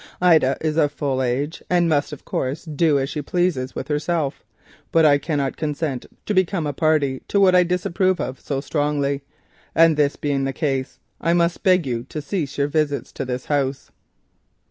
Ida is of full age, and must, of course, do as she pleases with herself. But I cannot consent to become a party to what I disapprove of so strongly, and this being the case, I must beg you to cease your visits to my house.